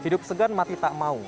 hidup segan mati tak mau